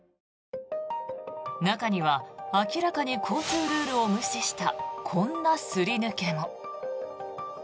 中には明らかに交通ルールを無視したこんなすり抜けも。